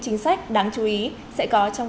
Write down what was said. chính sách đáng chú ý sẽ có trong